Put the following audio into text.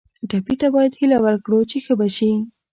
ټپي ته باید هیله ورکړو چې ښه به شي.